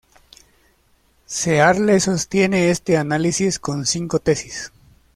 Searle sostiene este análisis con cinco tesis.